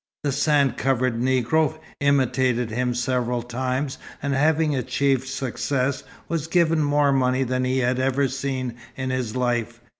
The sand covered Negro imitated him several times, and having achieved success, was given more money than he had ever seen in his life.